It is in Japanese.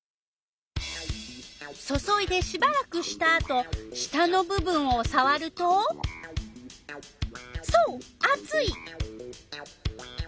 注いでしばらくしたあと下の部分をさわるとそうあつい！